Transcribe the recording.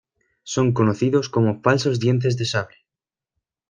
Son conocidos como falsos dientes de sable.